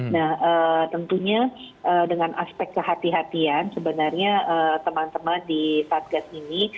nah tentunya dengan aspek kehatian sebenarnya teman teman di satgas ini